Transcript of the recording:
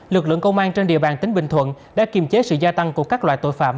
lực lượng công an trên địa bàn tỉnh bình thuận đã kiềm chế sự gia tăng của các loại tội phạm